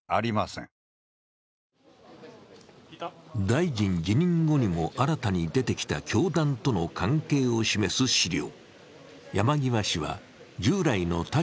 大臣辞任後にも新たに出てきた教団との関係を示す資料。